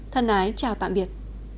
thân ái chào tạm biệt